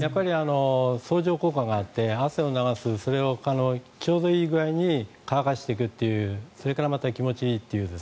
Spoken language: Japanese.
相乗効果があって汗を流す、それをちょうどいい具合に乾かしていくそれがまた気持ちいいという。